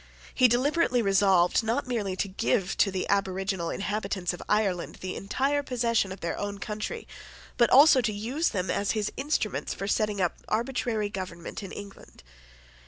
He deliberately resolved, not merely to give to the aboriginal inhabitants of Ireland the entire possession of their own country, but also to use them as his instruments for setting up arbitrary government in England.